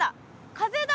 風だ。